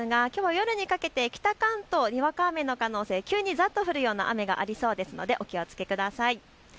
夜にかけて北関東、にわか雨の可能性もあって急にざっと降るような雨がありそうなのでお気をつけください。